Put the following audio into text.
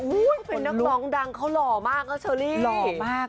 อุ๊ยล๊อคหอมเป็นนักร้องดังเขาหล่อมากน่ะตัวเลข